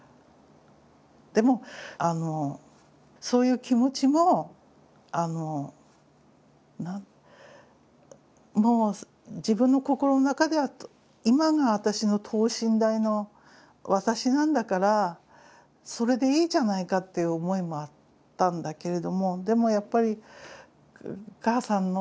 でもあのそういう気持ちももう自分の心の中では今の私の等身大の私なんだからそれでいいじゃないかっていう思いもあったんだけれどもでもやっぱりお母さんのがっかりしたような目もあって